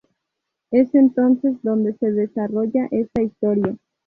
Es entonces donde se desarrolla esta historia.